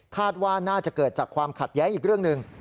ว่าน่าจะเกิดจากความขัดแย้งอีกเรื่องหนึ่ง